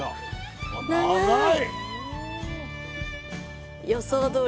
長い。